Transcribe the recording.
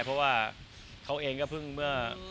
เพราะว่าเขาเองก็เพิ่งเมื่อ